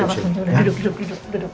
duduk duduk duduk